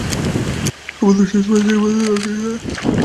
ক্রমে দু-চারটি করে মান্দ্রাজী বন্ধুরা নৌকায় চড়ে জাহাজের কাছে আসতে লাগল।